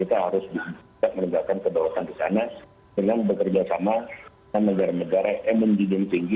kita harus bisa menegakkan kebawasan di sana dengan bekerjasama dengan negara negara yang mendidih tinggi